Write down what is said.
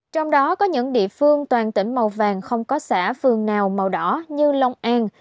trong đó có những địa phương toàn tỉnh màu vàng không có xã phường nào màu đỏ như long an